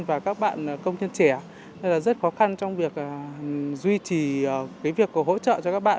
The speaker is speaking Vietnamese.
và các bạn công nhân trẻ nên rất khó khăn trong việc duy trì việc hỗ trợ cho các bạn